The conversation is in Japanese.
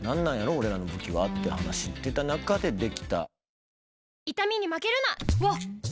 俺らの武器は」って話してた中でできた。